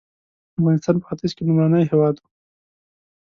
افغانستان په ختیځ کې لومړنی هېواد و.